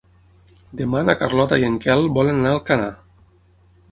Demà na Carlota i en Quel volen anar a Alcanar.